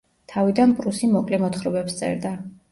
თავიდან პრუსი მოკლე მოთხრობებს წერდა.